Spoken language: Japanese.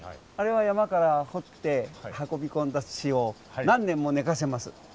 あれは山から掘って運び込んだ土を何年も寝かせます。